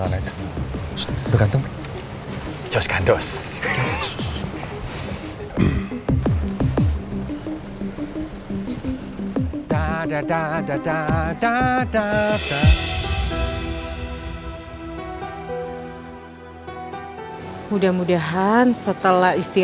katanya lu kan semua jadi a banya sendiri sendiri